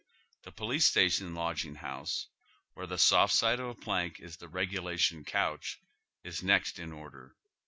The police station lodging house, where the soft side of a plank is the regu lation couch, is next in order.